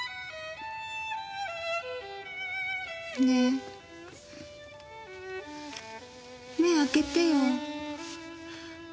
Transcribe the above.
ねえ目開けてよ。